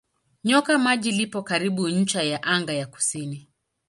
Nyoka Maji lipo karibu ncha ya anga ya kusini.